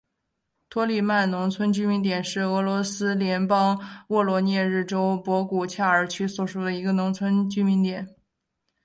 扎利曼农村居民点是俄罗斯联邦沃罗涅日州博古恰尔区所属的一个农村居民点。